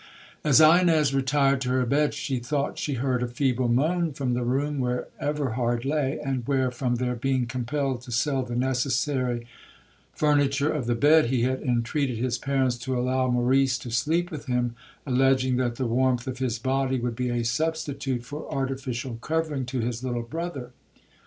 'As Ines retired to her bed, she thought she heard a feeble moan from the room where Everhard lay, and where, from their being compelled to sell the necessary furniture of the bed, he had entreated his parents to allow Maurice to sleep with him, alleging that the warmth of his body would be a substitute for artificial covering to his little brother.